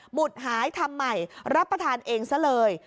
ุดหายทำใหม่รับประทานเองซะเลย